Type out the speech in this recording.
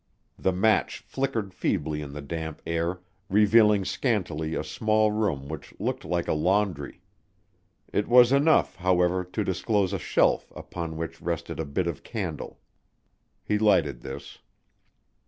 The match flickered feebly in the damp air, revealing scantily a small room which looked like a laundry. It was enough, however, to disclose a shelf upon which rested a bit of candle. He lighted this.